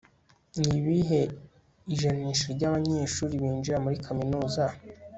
nibihe ijanisha ryabanyeshuri binjira muri kaminuza